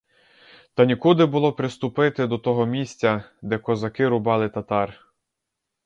Та нікуди було приступити до того місця, де козаки рубали татар.